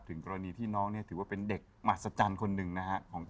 กรณีที่น้องเนี่ยถือว่าเป็นเด็กมหัศจรรย์คนหนึ่งนะฮะ